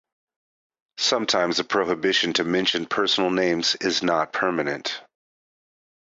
Sometimes the prohibition to mention personal names is not permanent.